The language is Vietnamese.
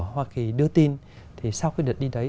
hoa kỳ đưa tin thì sau cái đợt đi đấy